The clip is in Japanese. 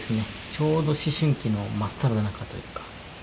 ちょうど思春期のまっただ中というか。